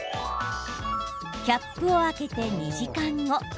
キャップを開けて２時間後。